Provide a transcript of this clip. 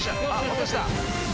落とした！